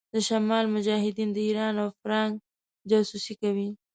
د شمال مجاهدين د ايران او فرنګ جاسوسي کوي.